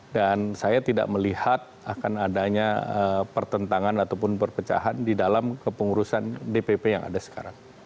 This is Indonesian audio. dan saya tidak melihat akan adanya pertentangan ataupun perpecahan di dalam kepengurusan dpp yang ada sekarang